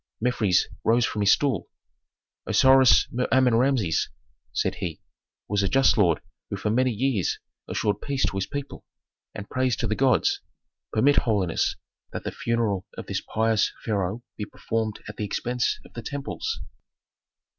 Mefres rose from his stool. "Osiris Mer Amen Rameses," said he, "was a just lord who for many years assured peace to his people, and praise to the gods. Permit, holiness, that the funeral of this pious pharaoh be performed at the expense of the temples."